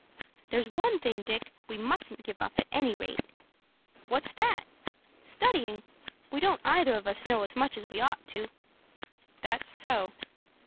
"There's one thing, Dick, we mustn't give up at any rate." "What's that?" "Studying. We don't either of us know as much as we ought to." "That's so."